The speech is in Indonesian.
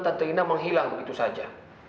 tante ina menghilang begitu saja